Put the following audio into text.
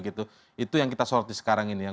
itu yang kita sorot di sekarang ini